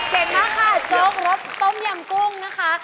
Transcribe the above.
เก่งมากค่ะจมรสต้มหยำกุ้งนะคะ